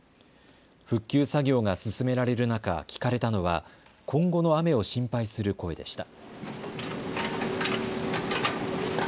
復旧作業が進められる中、聞かれたのは今後の雨を心配する声でした。